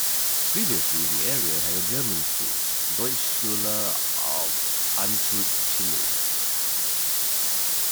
Previously the area had a German school, Deutsche Schule Ancud-Chiloe.